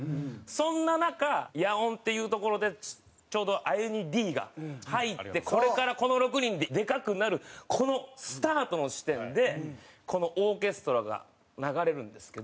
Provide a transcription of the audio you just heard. そんな中野音っていう所でちょうどアユニ・Ｄが入ってこれからこの６人ででかくなるこのスタートの地点でこの『オーケストラ』が流れるんですけど。